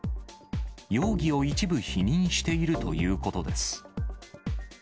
容疑を一部否認しているということです。